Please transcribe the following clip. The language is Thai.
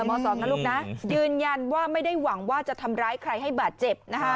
ม๒นะลูกนะยืนยันว่าไม่ได้หวังว่าจะทำร้ายใครให้บาดเจ็บนะคะ